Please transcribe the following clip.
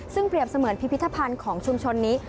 ซึ่งเปรียบเสมือนพิพิธภัณฑ์ของชุมชนนี้